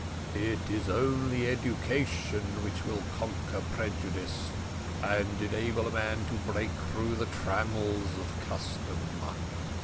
It is only education which will conquer prejudice, and enable a man to break through the trammels of custom.